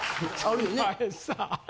お前さぁ。